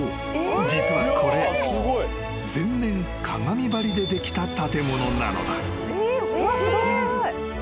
実はこれ全面鏡張りでできた建物なのだ］